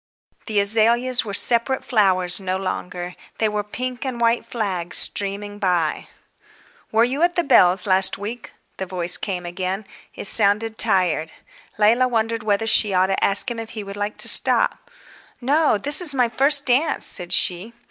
The azaleas were separate flowers no longer; they were pink and white flags streaming by. "Were you at the Bells' last week?" the voice came again. It sounded tired. Leila wondered whether she ought to ask him if he would like to stop. "No, this is my first dance," said she.